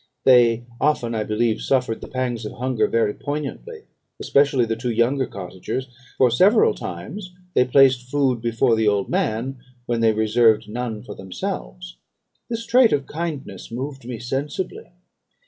They often, I believe, suffered the pangs of hunger very poignantly, especially the two younger cottagers; for several times they placed food before the old man, when they reserved none for themselves. "This trait of kindness moved me sensibly.